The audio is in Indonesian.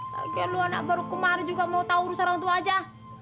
kalau anak baru kemarin juga mau tahu urusan orang tua aja